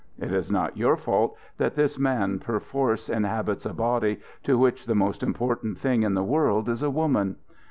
It is not your fault that this man perforce inhabits a body to which the most important thing in the world is a woman.